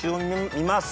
見ます。